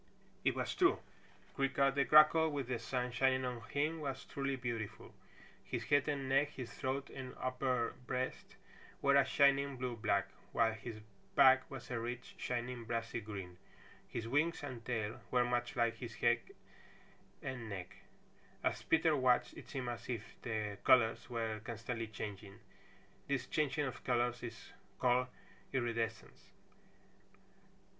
It was true. Creaker the Grackle with the sun shining on him was truly beautiful. His head and neck, his throat and upper breast, were a shining blue black, while his back was a rich, shining brassy green. His wings and tail were much like his head and neck. As Peter watched it seemed as if the colors were constantly changing. This changing of colors is called iridescence.